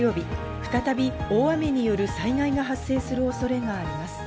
再び大雨による災害が発生する恐れがあります。